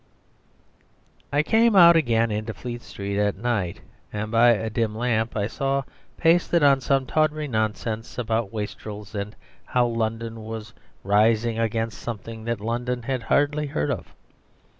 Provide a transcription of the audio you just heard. ..... I came out again into Fleet Street at night, and by a dim lamp I saw pasted up some tawdry nonsense about Wastrels and how London was rising against something that London had hardly heard of.